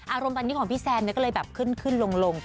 อารมณ์ตอนนี้ของพี่แซนก็เลยแบบขึ้นขึ้นลง